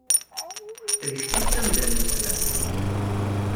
D kečč i d tamda n lesrar.